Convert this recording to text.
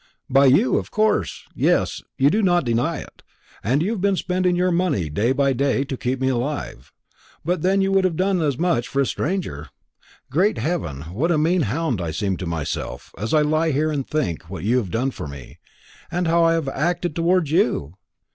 "By you, of course? Yes; you do not deny it. And you have been spending your money day by day to keep me alive. But then you would have done as much for a stranger. Great heaven, what a mean hound I seem to myself, as I lie here and think what you have done for me, and how I have acted towards you!"